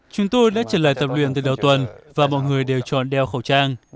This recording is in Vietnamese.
chúng tôi đã trở lại tập luyện từ đầu tuần và mọi người đều chọn đeo khẩu trang